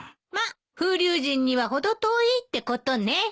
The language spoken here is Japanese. まっ風流人には程遠いってことね。